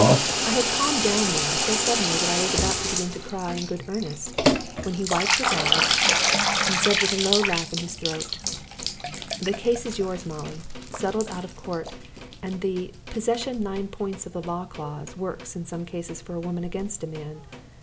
I had calmed down now so suddenly that I was about to begin to cry in good earnest when he wiped his eyes and said with a low laugh in his throat "The case is yours, Molly, settled out of court, and the 'possession nine points of the law clause' works in some cases for a woman against a man.